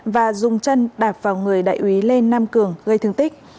và dùng chân đạp vào người đại úy lê nam cường gây thương tích